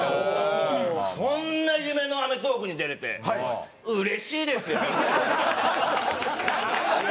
そんな夢の『アメトーーク』に出れてうれしいですよ！